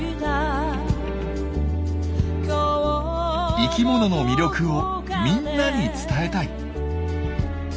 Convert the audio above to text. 生きものの魅力をみんなに伝えたい。